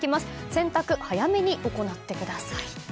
洗濯、早めに行ってください。